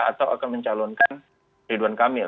atau akan mencalonkan ridwan kamil